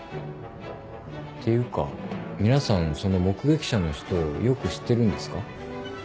ていうか皆さんその目撃者の人をよく知ってるんですか？